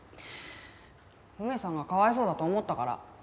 梅さんがかわいそうだと思ったから。